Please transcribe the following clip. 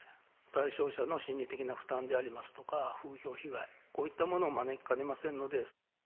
対象者の心理的な負担でありますとか、風評被害、こういったものを招きかねませんので。